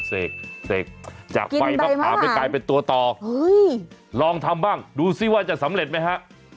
เสกจากใบมะขามให้กลายเป็นตัวต่อลองทำบ้างดูซิว่าจะสำเร็จไหมฮะ